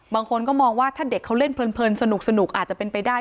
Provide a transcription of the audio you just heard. บางคนก็มองว่าถ้าเด็กเขาเล่นเพลินสนุกอาจจะเป็นไปได้